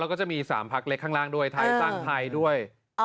แล้วก็จะมี๓พักเล็กข้างล่างด้วยไทยสร้างไทยด้วย